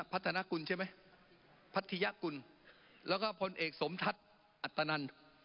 พัฒนากุลใช่ไหมพัทยกุลแล้วก็พลเอกสมทัศน์อัตนัน